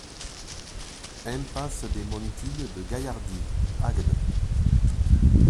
Impasse des Montilles de Gaillardy, Agde